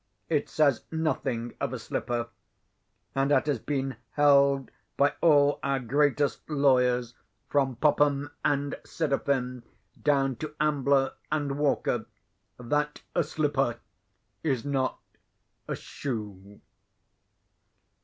It says nothing of a slipper; and it has been held by all our greatest lawyers, from Popham and Siderfin, down to Ambler and Walker, that a slipper is not a shoe.